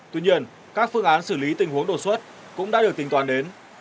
tuy nhiên các phương án xử lý tình huống đột xuất cũng đã được tính toàn đến